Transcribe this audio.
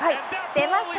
出ました！